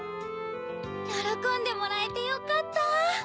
よろこんでもらえてよかった！